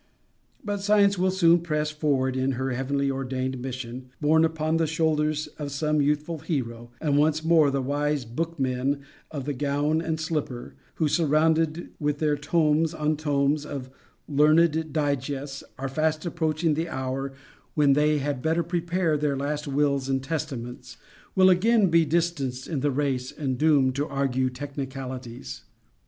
But science will soon press forward in her heavenly ordained mission, borne upon the shoulders of some youthful hero, and once more the wise book men of the gown and slipper, who, surrounded with their tomes on tomes of learned digests, are fast approaching the hour when they had better prepare their last wills and testaments, will again be distanced in the race and doomed to argue technicalities.